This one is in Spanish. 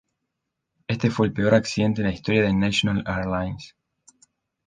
Este fue el peor accidente en la historia de National Airlines.